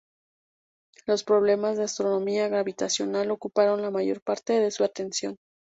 Los problemas de astronomía gravitacional ocuparon la mayor parte de su atención.